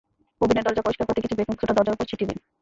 ওভেনের দরজা পরিষ্কার করতে কিছু বেকিং সোডা দরজার ওপরে ছিটিয়ে দিন।